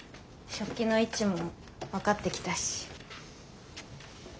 食器の位置も分かってきたし。